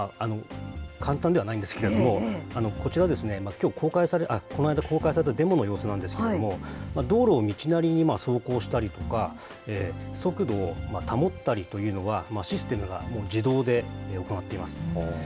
簡単ではないんですけれども、こちら、きょう、この間公開されたデモの様子なんですけれども、道路を道なりに走行したりとか、速度を保ったりというのは、システムが自動で行っています。